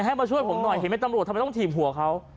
ให้มาช่วยผมหน่อยเห็นไหมตำรวจทำไมต้องถีบหัวเขา